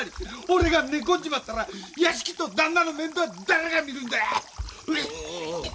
俺が寝込んじまったら屋敷と旦那の面倒は誰が見るんだい！